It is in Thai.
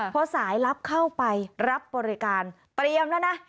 พอสายลับเข้าไปรับบริการเตรียมแล้วนะ